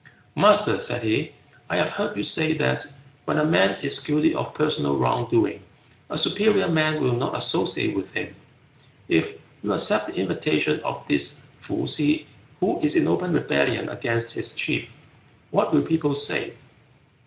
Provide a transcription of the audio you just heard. "Master," said he, "I have heard you say that when a man is guilty of personal wrong doing, a superior man will not associate with him. If you accept the invitation of this Pih Hih, who is in open rebellion against his chief, what will people say?"